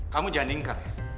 kamu jangan ingkar ya